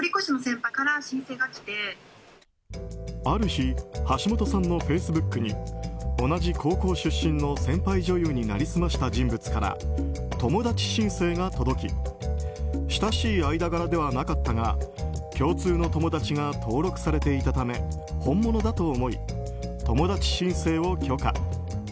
ある日、橋本さんのフェイスブックに同じ高校出身の先輩女優に成り済ました人物から友達申請が届き親しい間柄ではなかったが共通の友達が登録されていたため本物だと思い、友達申請を許可。